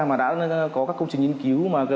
mà đã có các công trình nghiên cứu